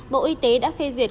bộ y tế đã phê duyệt